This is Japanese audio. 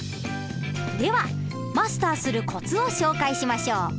ではマスターするコツを紹介しましょう。